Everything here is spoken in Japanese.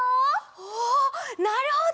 おおなるほど！